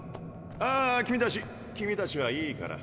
ああ君たちはいいから。